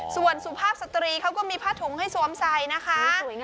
ส่วนสุภาพสตรีเขาก็มีผ้าถุงให้สวมใส่นะคะ